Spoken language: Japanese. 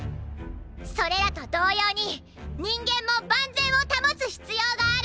それらと同様に人間も万全を保つ必要がある！